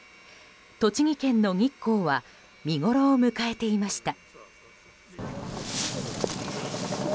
栃木県の日光は見ごろを迎えていました。